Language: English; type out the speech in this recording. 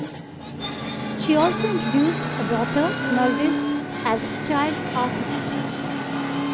She also introduced her daughter Nargis as a child artist.